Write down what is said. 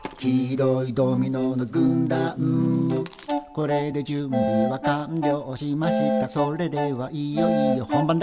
「これで準備は完了しましたそれではいよいよ本番だ」